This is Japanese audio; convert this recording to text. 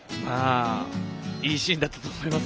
いいシーンだったと思います。